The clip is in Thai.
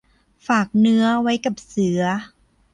ฝากเนื้อไว้กับเสือ